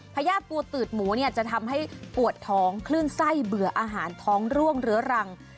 พญาติปูตืดหมูเนี่ยจะทำให้ปวดท้องคลื่นไส้เบื่ออาหารท้องร่วงเรื้อรัง